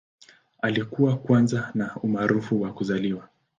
Alikuwa kwanza ana umaarufu wa kuzaliwa.